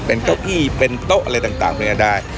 เป็นเก้าอี้เป็นโต๊ะอะไรต่างพวกนี้ได้